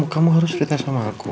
kamu harus cerita sama aku